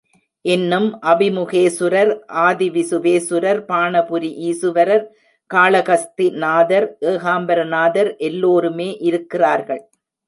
இன்னும் அபிமுகேசுரர், ஆதி விசுவேசுரர், பாணபுரி ஈசுவரர், காளகஸ்திநாதர், ஏகாம்பர நாதர் எல்லோருமே இருக்கிறார்கள்.